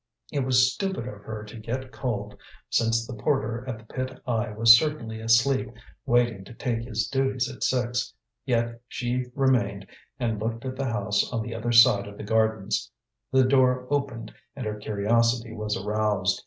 It was stupid of her to get cold, since the porter at the pit eye was certainly asleep, waiting to take his duties at six. Yet she remained and looked at the house on the other side of the gardens. The door opened, and her curiosity was aroused.